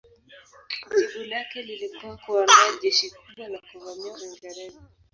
Jibu lake lilikuwa kuandaa jeshi kubwa la kuvamia Uingereza.